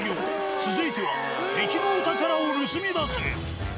続いては、敵のお宝を盗み出せ。